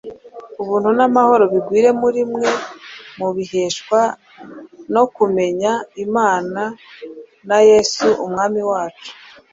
Ubuntu n’amahoro bigwire muri mwe, mubiheshwa no kumenya Imana na Yesu Umwami wacu